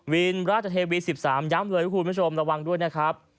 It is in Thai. วินราชเทวี๑๓ย้ำเลยคุณผู้ชมระวังด้วยนะครับ